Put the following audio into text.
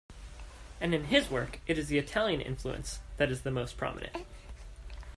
And in his work, it is the Italian influence, that is the most prominent.